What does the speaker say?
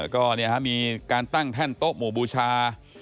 ก็มีการตั้งแท่นโต๊ะหมู่บูชา